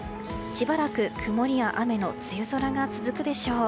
しばらく曇りや雨の梅雨空が続くでしょう。